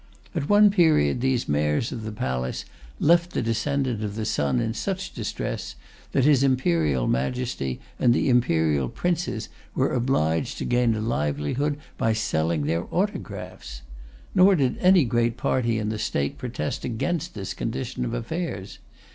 At one period, these Mayors of the Palace left the Descendant of the Sun in such distress that His Imperial Majesty and the Imperial Princes were obliged to gain a livelihood by selling their autographs! Nor did any great party in the State protest against this condition of affairs.